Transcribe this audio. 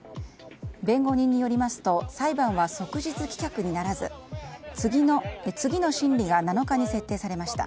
弁護人によりますと裁判は即日棄却にならず次の審理が７日に設定されました。